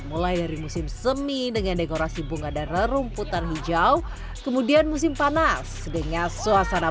mulai dari musim semi dengan dekorasi bunga dan rumputan hijau kemudian musim panas dengan suasana